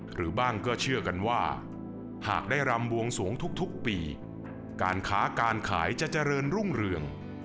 หรือบ้างก็เชื่อกันว่าหากได้รำบวงสวงทุกปีการค้าการขายจะเจริญรุ่งเรือง